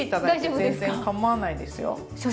全然かまわないですよ。